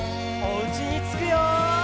おうちにつくよ！